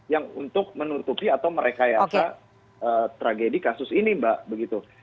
yang untuk menutupi atau merekayasa tragedi kasus ini mbak begitu